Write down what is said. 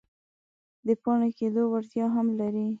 د پاڼې کیدو وړتیا هم لري.